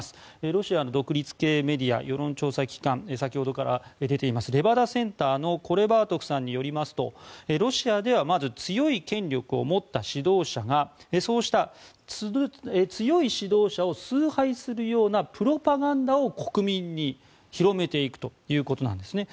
ロシアの独立系メディア世論調査機関先ほどから出ていますレバダ・センターのコレバートフさんによりますとロシアではまず強い権力を持った指導者がそうした強い指導者を崇拝するようなプロパガンダを国民に広めていくということなんですね。